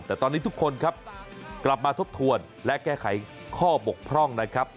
แต่ตอนนี้ทุกคนครับกลับมาทบทวนและแก้ไขข้อบกพร่องนะครับ